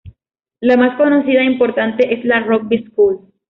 La más conocida e importante es la Rugby School.